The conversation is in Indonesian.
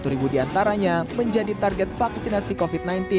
satu ribu diantaranya menjadi target vaksinasi covid sembilan belas